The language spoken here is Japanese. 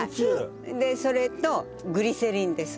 それとグリセリンです。